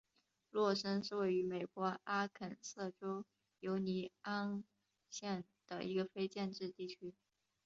洛森是位于美国阿肯色州犹尼昂县的一个非建制地区。